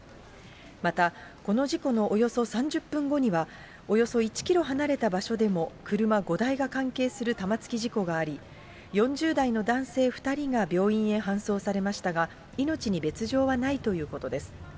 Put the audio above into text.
また、この事故のおよそ３０分後には、およそ１キロ離れた場所でも車５台が関係する玉突き事故があり、４０代の男性２人が病院へ搬送されましたが、命に別状はないということです。